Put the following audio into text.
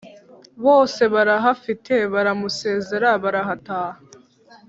bose barahafite baramusezera barataha